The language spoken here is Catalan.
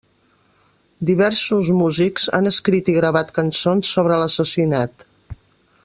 Diversos músics han escrit i gravat cançons sobre l'assassinat.